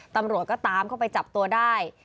ตำรวจก็ตามเข้าไปจับตัวได้